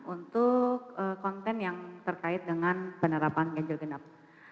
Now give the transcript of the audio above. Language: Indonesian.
untuk konten yang terkait dengan penerapan ganjil genap